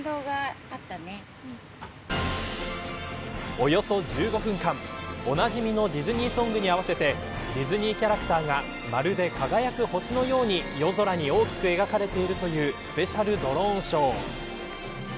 およそ１５分間おなじみのディズニーソングに合わせてディズニーキャラクターがまるで輝く星のように、夜空に大きく描かれているというスペシャルドローンショー。